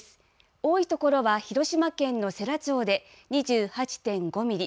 多い所は広島県の世羅町で、２８．５ミリ。